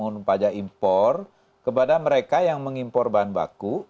untuk mempunyai impor kepada mereka yang mengimpor bahan baku